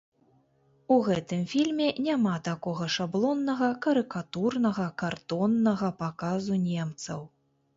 У гэтым фільме няма такога шаблоннага, карыкатурнага, кардоннага паказу немцаў.